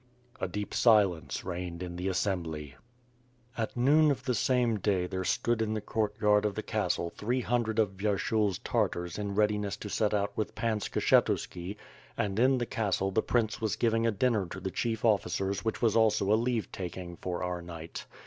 A deep silence reigned in the assembly. At noon of the same day there stood in the courtyard of the castle three hundred of Vyershul's Tarttars in readiness to set out with Pan Skshetuski, and in the castle the prince was giving a dinner to the chief officers which was also a leave taking fo^ our knight.